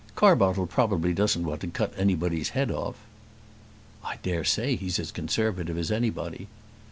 Carbottle probably doesn't want to cut anybody's head off." "I dare say he's as conservative as anybody."